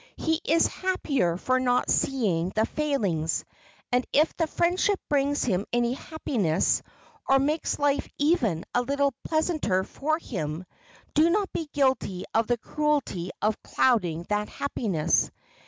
He is happier for not seeing the failings, and if the friendship brings him any happiness, or makes life even a little pleasanter for him, do not be guilty of the cruelty of clouding that happiness.